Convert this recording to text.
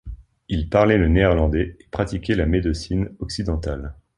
Il parlait le néerlandais et pratiquait la médecine occidentale.